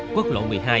quốc lộ một mươi hai